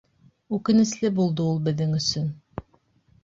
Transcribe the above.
Үкенесле булды ул беҙҙең өсөн.